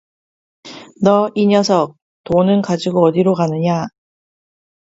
너 이 녀석, 돈은 가지고 어디로 가느냐?